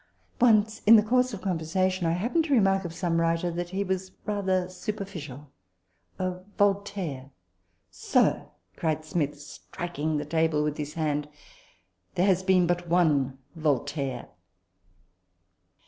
Once, in the course of conversa tion, I happened to remark of some writer, that " he was rather superficial a Voltaire." " Sir," cried Smith, striking the table with his hand, " there has been but one Voltaire